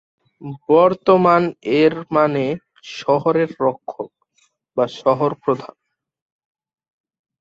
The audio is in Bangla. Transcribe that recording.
বর্তমানে এর মানে "শহরের রক্ষক" বা শহর-প্রধান।